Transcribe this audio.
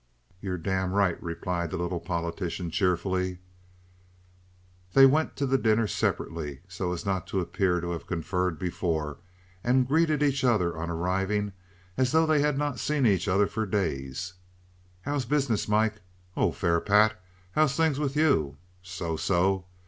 "You're damned right," replied the little politician, cheerfully. They went to the dinner separately, so as not to appear to have conferred before, and greeted each other on arriving as though they had not seen each other for days. "How's business, Mike?" "Oh, fair, Pat. How's things with you?" "So so."